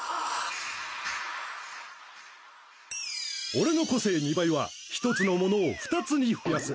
俺の個性「二倍」は１つのモノを２つに増やす。